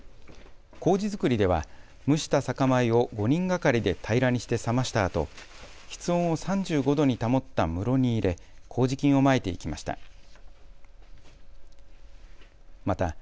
こうじ作りでは蒸した酒米を５人がかりで平らにして冷ましたあと室温を３５度に保った室に入れこうじ菌をまいていきました。